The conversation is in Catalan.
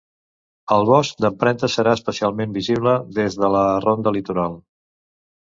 El Bosc d'empremtes serà especialment visible des de la Ronda Litoral.